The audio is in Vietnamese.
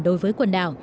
đối với quần đảo